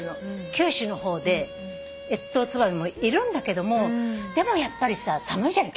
九州の方で越冬ツバメもいるんだけどもでもやっぱり寒いじゃない？